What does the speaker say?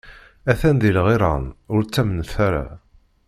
A-t-an di lɣiran, ur ttamnet ara!